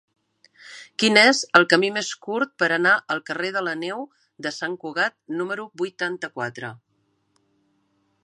Quin és el camí més curt per anar al carrer de la Neu de Sant Cugat número vuitanta-quatre?